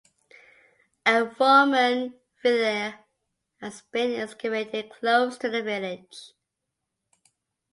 A Roman villa has been excavated close to the village.